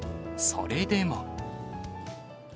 それでも。